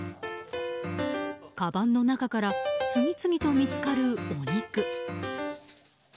かばんの中から次々と見つかる、お肉。